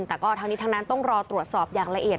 แต่ก็ทั้งนี้ทั้งนั้นต้องรอตรวจสอบอย่างละเอียด